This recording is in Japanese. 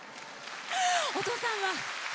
お父さんは？